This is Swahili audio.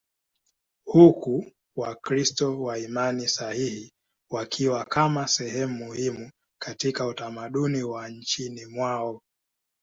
huku Wakristo wa imani sahihi wakiwa kama sehemu muhimu katika utamaduni wa nchini mwao.